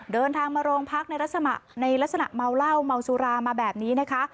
เดินทางมาโรงพักในลักษณะในลักษณะเมาเหล้าเมาสุรามาแบบนี้นะคะ